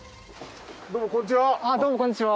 どうもこんにちは。